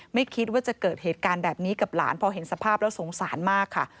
ไม่คิดว่าจะเกิดเหตุการณ์แบบนี้กับหลานพอเห็นสภาพแล้วสงสารมากค่ะ